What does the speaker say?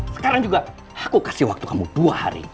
sekarang juga aku kasih waktu kamu dua hari